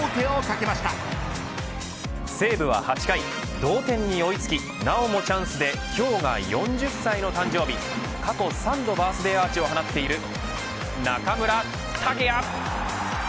西武は８回同点に追い付きなおもチャンスで今日が４０歳の誕生日過去３度バースデーアーチを放っている中村剛也。